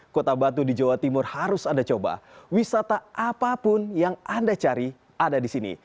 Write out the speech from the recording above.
kota batu di jawa timur harus anda coba wisata apapun yang anda cari ada di sini